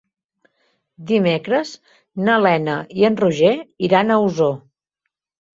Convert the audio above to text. Dimecres na Lena i en Roger iran a Osor.